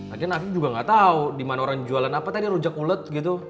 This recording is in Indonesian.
akhirnya afif juga gatau dimana orang jualan apa tadi rujak ulek gitu